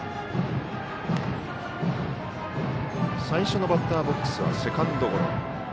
最初のバッターボックスはセカンドゴロ。